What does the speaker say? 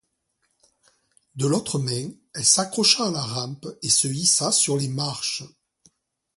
De l’autre main, elle s’accrocha à la rampe et se hissa sur les marches.